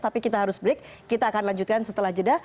tapi kita harus break kita akan lanjutkan setelah jeda